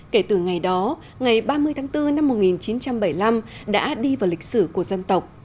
kể từ ngày đó ngày ba mươi tháng bốn năm một nghìn chín trăm bảy mươi năm đã đi vào lịch sử của dân tộc